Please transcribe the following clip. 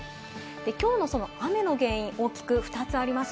きょうのその雨の原因、大きく２つあります。